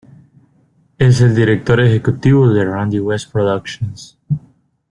Es el director ejecutivo de Randy West Productions.